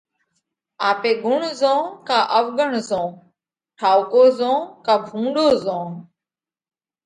آپي ڳُڻ زوئونه ڪا اوَڳڻ زوئونه۔ ٺائُوڪو زوئونه ڪا ڀُونڏو زوئونه۔